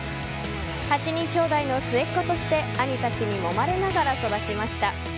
８人兄弟の末っ子として兄たちにもまれながら育ちました。